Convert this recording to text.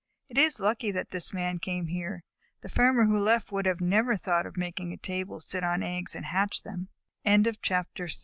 It is lucky that this Man came here. The Farmer who left would never have thought of making a table sit on eggs and hatch th